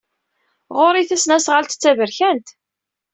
Ɣer-i tasnasɣalt d taberkant.